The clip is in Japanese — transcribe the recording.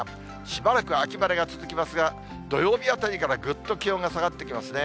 しばらく秋晴れが続きますが、土曜日あたりからぐっと気温が下がってきますね。